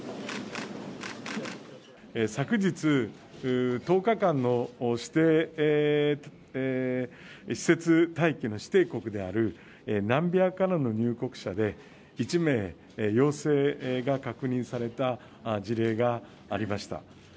昨日、１０日間の施設待機の指定国であるナミビアからの入国者で、１名陽性が確認された事例がありました。